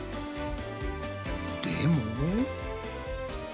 でも。